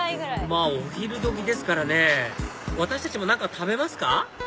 まぁお昼時ですからね私たちも何か食べますか？